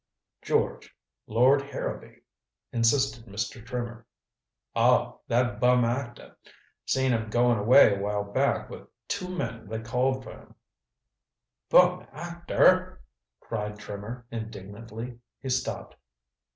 "George, Lord Harrowby," insisted Mr. Trimmer. "Oh that bum actor. Seen him going away a while back with two men that called for him." "Bum actor!" cried Trimmer indignantly. He stopped.